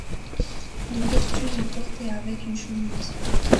Le costume est porté avec une chemise.